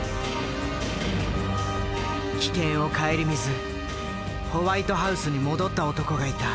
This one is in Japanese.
危険を顧みずホワイトハウスに戻った男がいた。